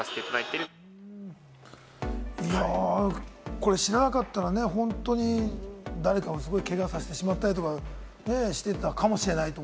これ知らなかったらね、本当に誰かを、けがさせてしまったりしてたかもしれない。